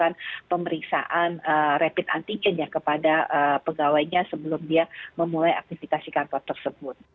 dan juga pemeriksaan rapid antigennya kepada pegawainya sebelum dia memulai aktivitas kantor tersebut